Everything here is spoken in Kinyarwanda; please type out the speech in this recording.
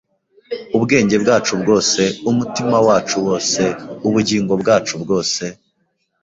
ubwenge bwacu bwose, umutima wacu wose, ubugingo bwacu bwose